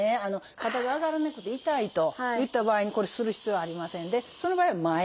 肩が上がらなくて痛いといった場合にこれする必要はありませんでその場合は前。